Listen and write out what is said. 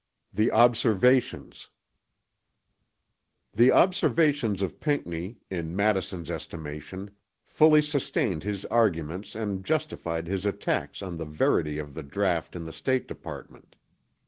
THE OBSERVATIONS The Observations of Pinckney, in Madison's estimation, fully sustained his arguments and justified his attacks on the verity of the draught in the State Department.